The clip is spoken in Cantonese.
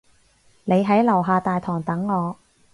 你喺樓下大堂等我